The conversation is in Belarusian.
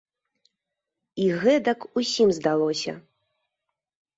І гэтак усім здалося.